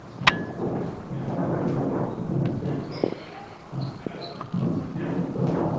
kumeza kwa mdomo kupunguza uhalifu unaotekelezwa na watumiaji